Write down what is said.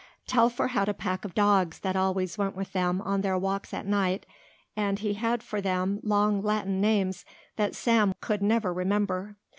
Telfer had a pack of dogs that always went with them on their walks at night and he had for them long Latin names that Sam could never remember.